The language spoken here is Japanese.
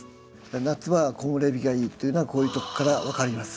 夏場は木漏れ日がいいというのはこういうとこから分かります。